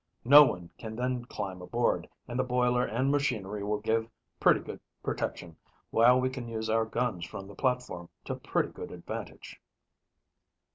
No one can then climb aboard, and the boiler and machinery will give pretty good protection, while we can use our guns from the platform to pretty good advantage."